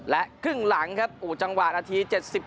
และครึ่งหลังครับจังหวะนาที๗๘